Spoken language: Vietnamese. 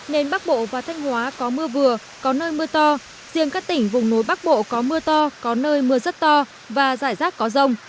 nên bắc bộ và thanh hóa có mưa vừa có nơi mưa to riêng các tỉnh vùng núi bắc bộ có mưa to có nơi mưa rất to và rải rác có rông